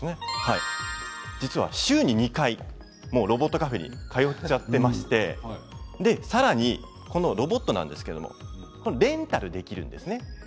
実は週に２回ロボットカフェに通っちゃっていまして、さらにロボットなんですけどレンタルできるんです。